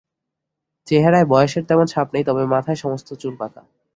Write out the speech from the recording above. চেহারায় বয়সের তেমন ছাপ নেই, তবে মাথার সমস্ত চুল পাকা।